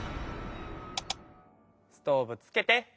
ストーブつけて。